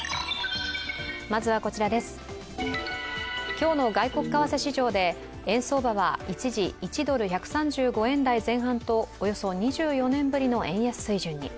今日の外国為替市場で円相場は一時、１ドル＝１３５円台前半とおよそ２４年ぶりの円安水準に。